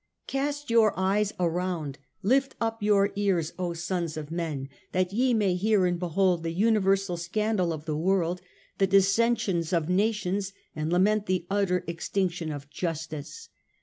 " Cast your eyes around, lift up your ears, O sons of men, that ye may hear and behold the universal scandal of the world, the dissensions of nations, and lament the utter extinction of justice.